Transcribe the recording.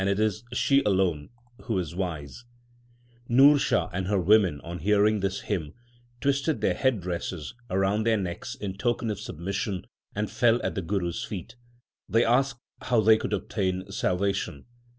7 8 THE SIKH RELIGION Nurshah and her women, on hearing this hymn, twisted their head dresses around their necks in token of submission, and fell at the Guru s feet. They asked how they could obtain salvation.